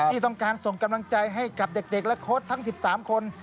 ที่ต้องการส่งกำลังใจให้กับเด็กและโค้ดทั้ง๑๓คน